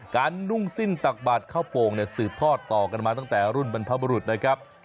นุ่งสิ้นตักบาดข้าวโป่งเนี่ยสืบทอดต่อกันมาตั้งแต่รุ่นบรรพบรุษนะครับ